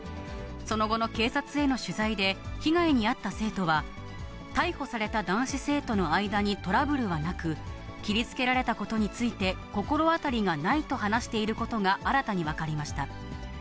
その後の警察への取材で、被害に遭った生徒は、逮捕された男子生徒の間にトラブルはなく、切りつけられたことについて心当たりがないと話していることが、新たに分かりました。